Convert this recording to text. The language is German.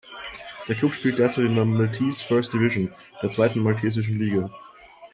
Der Klub spielt derzeit in der Maltese First Division, der zweiten maltesischen Liga.